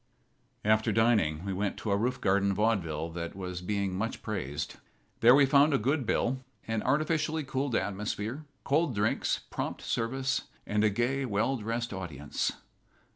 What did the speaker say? After dining we went to a roof garden vaudeville that was being much praised. There we found a good bill, an artificially cooled atmosphere, cold drinks, prompt service, and a gay, well dressed audience.